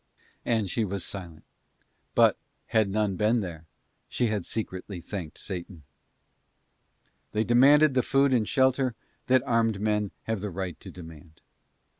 And she was silent; but, had none been there, she had secretly thanked Satan. They demanded the food and shelter that armed men have the right to demand.